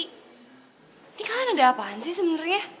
ini kalian ada apaan sih sebenernya